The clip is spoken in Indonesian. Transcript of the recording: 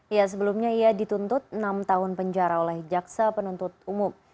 ya sebelumnya ia dituntut enam tahun penjara oleh jaksa penuntut umum